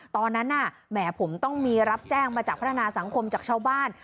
ตอนนั้นน่ะแหมผมต้องมีรับแจ้งมาจากพัฒนาสังคมจากชาวบ้าน